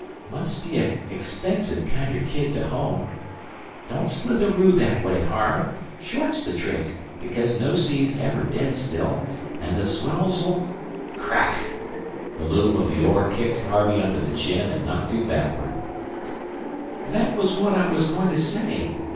"Must be an expensive kinder kid to home. Don't slitheroo thet way, Harve. Short's the trick, because no sea's ever dead still, an' the swells 'll " Crack! The loom of the oar kicked Harvey under the chin and knocked him backwards. "That was what I was goin' to say.